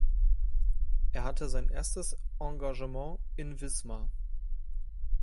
Er hatte sein erstes Engagement in Wismar.